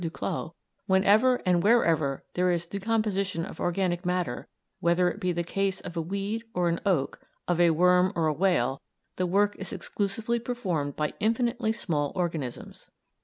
Duclaux, "Whenever and wherever there is decomposition of organic matter, whether it be the case of a weed or an oak, of a worm or a whale, the work is exclusively performed by infinitely small organisms.